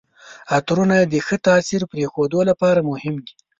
عطرونه د ښه تاثر پرېښودو لپاره مهم دي.